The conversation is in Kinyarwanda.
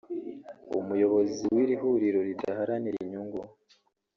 umuyobozi w’iri huriro ridaharanira inyungu